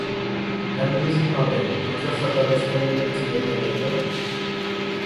ھەممىمىز ئادەم. مۇتلەق خاتالاشمايمەن دەپ كىم ئېيتالايدۇ؟